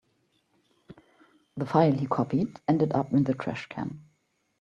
The file he copied ended up in the trash can.